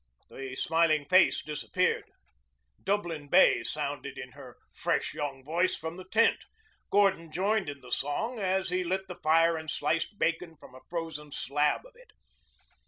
The smiling face disappeared. "Dublin Bay" sounded in her fresh young voice from the tent. Gordon joined in the song as he lit the fire and sliced bacon from a frozen slab of it.